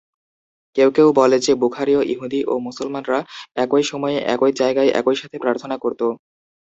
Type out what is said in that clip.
কেউ কেউ বলে যে বুখারীয় ইহুদি ও মুসলমানরা একই সময়ে একই জায়গায় একই সাথে প্রার্থনা করতো।